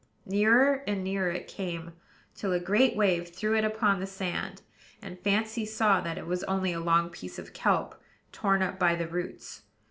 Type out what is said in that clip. Nearer and nearer it came, till a great wave threw it upon the sand; and Fancy saw that it was only a long piece of kelp, torn up by the roots.